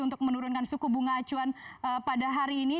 untuk menurunkan suku bunga acuan pada hari ini